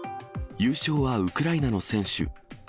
優勝はウクライナの選手。